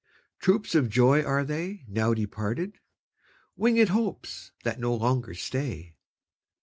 Troops of joys are they, now departed? Winged hopes that no longer stay?